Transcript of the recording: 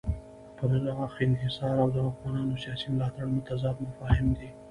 پراخ انحصار او د واکمنانو سیاسي ملاتړ متضاد مفاهیم دي.